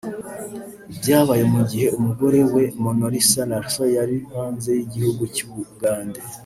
byabaye mu gihe umugore we Monolisa Larson yari hanze y’igihugu cy’u Bugande